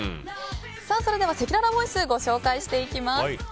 それではせきららボイスご紹介していきます。